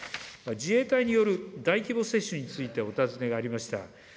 自衛隊による大規模接種について、お尋ねがありました。